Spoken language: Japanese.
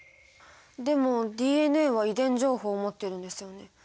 でもＤＮＡは遺伝情報を持ってるんですよね。